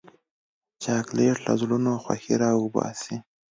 چاکلېټ له زړونو خوښي راوباسي.